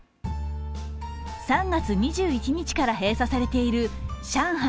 ３月２１日から閉鎖されている上海